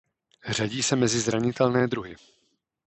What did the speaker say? Řadí se mezi zranitelné druhy.